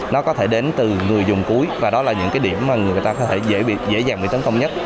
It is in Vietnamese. nó có thể đến từ người dùng cuối và đó là những điểm mà người ta có thể dễ dàng bị tấn công nhất